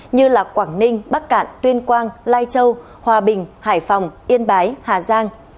như quảng ninh bắc cạn tuyên quang lai châu hòa bình hải phòng yên bái hà giang